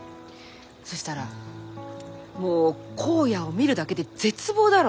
そしたらもう荒野を見るだけで絶望だろ？